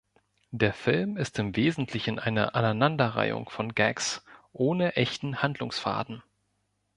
Der Film ist im Wesentlichen eine Aneinanderreihung von Gags, ohne echten Handlungsfaden.